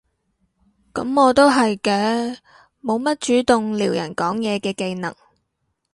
噉我都係嘅，冇乜主動撩人講嘢嘅技能